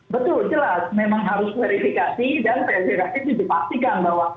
betul jelas memang harus verifikasi dan verifikasi dipastikan bahwa